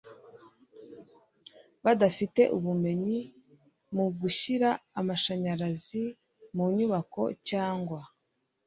badafite ubumenyi mu gushyira amashanyarazi mu nyubako, cyangwa